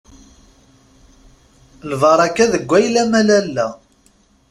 Lbaṛaka deg wayla-m a Lalla.